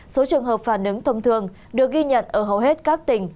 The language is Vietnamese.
số trường hợp phản ứng thông thường được ghi nhận ở hầu hết các tỉnh